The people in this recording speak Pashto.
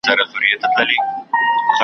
دی مجبور دی شاته نه سي ګرځېدلای .